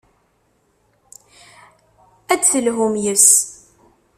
Ad d-telhum yes-s.